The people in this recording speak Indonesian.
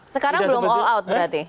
sekarang belum all out berarti